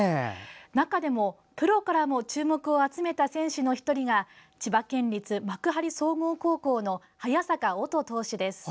中でも、プロからも注目を集めた選手の１人が千葉県立幕張総合高校の早坂響投手です。